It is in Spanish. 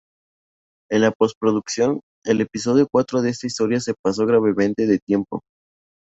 En la postproducción, el episodio cuatro de esta historia se pasó gravemente de tiempo.